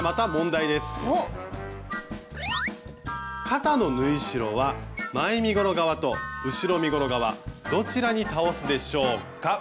肩の縫い代は前身ごろ側と後ろ身ごろ側どちらに倒すでしょうか？